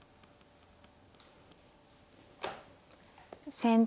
先手